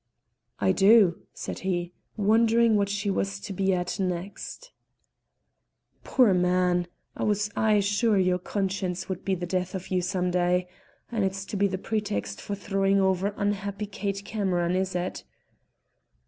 "I do," said he, wondering what she was to be at next. "Poor man! I was aye sure your conscience would be the death of you some day. And it's to be the pretext for throwing over unhappy Kate Cameron, is it?"